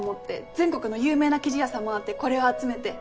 全国の有名な生地屋さん回ってこれを集めて